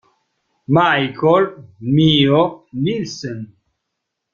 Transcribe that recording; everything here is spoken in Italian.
Michael Mio Nielsen